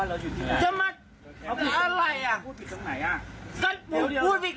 แล้วมาถามนี่ผมเป็นคนผิดเหรอ